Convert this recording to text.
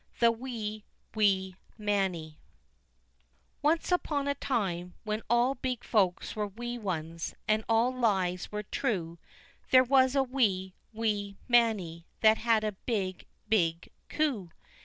The Wee, Wee Mannie Once upon a time, when all big folks were wee ones and all lies were true, there was a wee, wee Mannie that had a big, big coo.